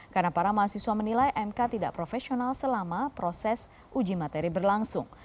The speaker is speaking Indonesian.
karena para mahasiswa menilai mk tidak profesional selama proses uji materi berlangsung